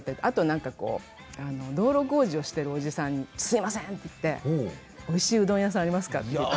あとは何かこう道路工事をしているおじさんにすいませんって言っておいしいうどん屋さんありますかって。